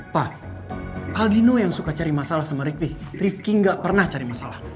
pa aldino yang suka cari masalah sama rifki rifki gak pernah cari masalah